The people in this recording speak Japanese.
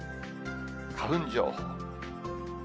花粉情報。